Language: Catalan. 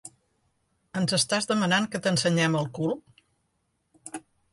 Ens estàs demanant que t'ensenyem el cul?